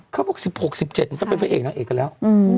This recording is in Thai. เขาพูด๑๖๑๗ก็เป็นพระเอกนางเอกอันแล้ว